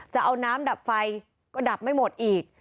จะเอาน้ำดับไฟก็ดับไม่หมดอีก